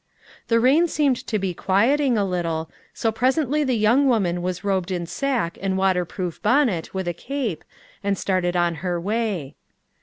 The rain seemed to be quieting a little, so presently the young woman was robed in sack and waterproof bonnet with a cape, and started on her way.